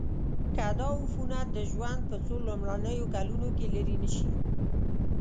که دا عفونت د ژوند په څو لومړنیو کلونو کې لیرې نشي.